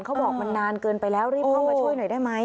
เขาบอกมันนานเกินไปแล้วรีบเข้ามาช่วยหน่อยได้ไหม